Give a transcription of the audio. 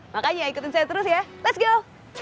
makanya ikutin saya terus ya let's go